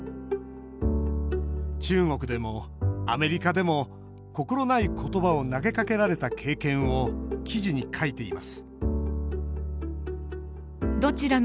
中国でもアメリカでも心ないことばを投げかけられた経験を記事に書いています